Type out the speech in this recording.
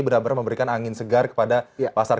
benar benar memberikan angin segar kepada pasar